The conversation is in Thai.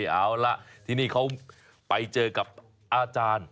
เอาล่ะที่นี่เขาไปเจอกับอาจารย์